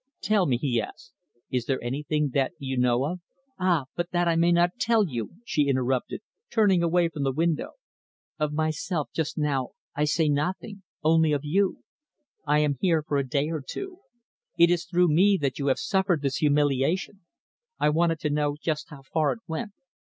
"Tell me," he asked, "is there anything that you know of " "Ah! but that I may not tell you," she interrupted, turning away from the window. "Of myself just now I say nothing only of you. I am here for a day or two. It is through me that you have suffered this humiliation. I wanted to know just how far it went.